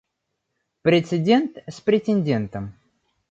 Прецедент с претендентом.